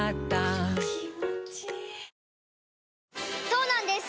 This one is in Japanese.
そうなんです